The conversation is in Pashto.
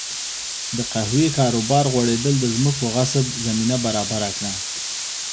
د قهوې کاروبار غوړېدل د ځمکو غصب زمینه برابره کړه.